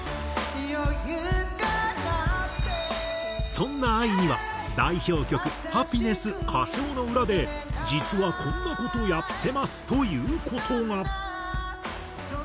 そんなＡＩには代表曲『ハピネス』歌唱の裏で実はこんな事やってますという事が。